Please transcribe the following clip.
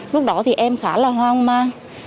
lúc đó thì em khá là hoang mang